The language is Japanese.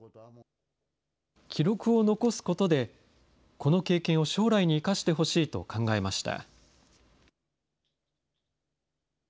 記録を残すことで、この経験を将来に生かしてほしいと考えました。